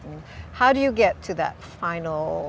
bagaimana anda mencapai final